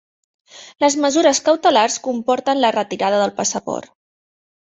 Les mesures cautelars comporten la retirada del passaport.